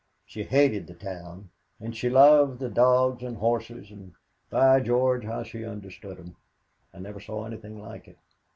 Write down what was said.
She hated the town and she loved dogs and horses, and, by George, how she understood 'em. I never saw anything like it.